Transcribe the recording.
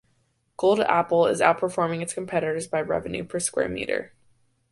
Gold Apple is outperforming its competitors by revenue per square meter.